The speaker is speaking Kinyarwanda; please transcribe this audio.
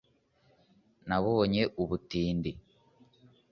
nabonye ubutindi